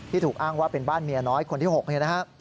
ถูกอ้างว่าเป็นบ้านเมียน้อยคนที่๖เนี่ยนะฮะ